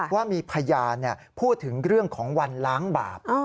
ว่ามีพยานพูดถึงเรื่องของวันล้างบาป